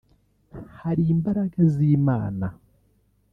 hari imbaraga z'Imana